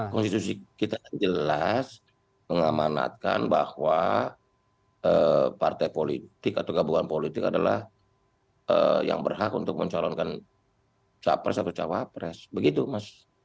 konstitusi kita jelas mengamanatkan bahwa partai politik atau gabungan politik adalah yang berhak untuk mencalonkan capres atau cawapres begitu mas